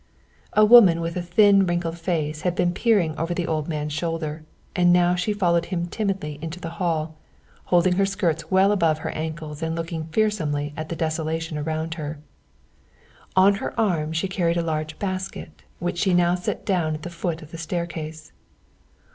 A woman with a thin wrinkled face had been peering over the old man's shoulder, and now she followed him timidly into the hall, holding her skirts well above her ankles and looking fearsomely at the desolation around her. On her arm she carried a large basket, which she now set down at the foot of the staircase.